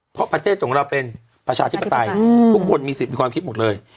เพราะประเทศของเราเป็นประชาธิปไตยทุกคนมีสิทธิ์มีความคิดหมดเลย